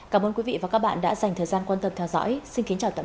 cảm ơn các bạn đã theo dõi